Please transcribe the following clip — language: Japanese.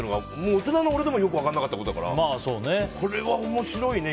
大人の俺でもよく分からなかったことだからこれは面白いね。